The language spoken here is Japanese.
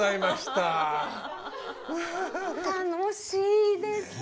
楽しいですね。